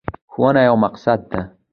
ښوونه یوه صدقه ده.